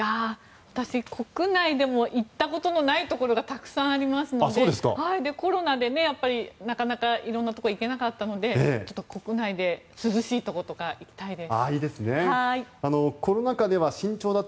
私、国内でも行ったことのないところがたくさんありますのでコロナでなかなか色んなところ行けなかったので国内で涼しいところとか行きたいです。